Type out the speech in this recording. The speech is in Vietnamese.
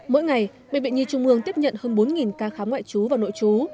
mỗi ngày bệnh viện nhi trung ương tiếp nhận hơn bốn ca khám ngoại chú và nội chú